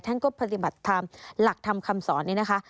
ท่านก็ปฏิบัติตามหลักธรรมคำสอนนี้นะคะ